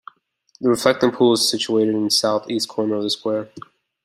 The reflecting pool is situated in the south-east corner of the square.